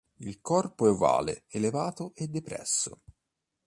Il corpo è ovale elevato e depresso.